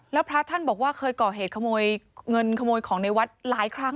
แล้วพระท่านบอกว่าเคยก่อเหตุขโมยเงินขโมยของในวัดหลายครั้ง